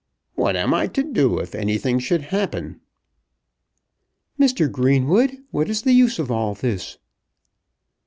What am I to do if anything should happen?" "Mr. Greenwood, what is the use of all this?"